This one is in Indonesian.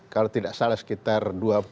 kalau tidak salah sekitar